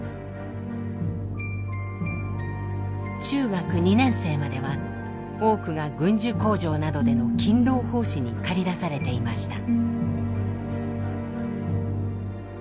中学２年生までは多くが軍需工場などでの勤労奉仕に駆り出されていました。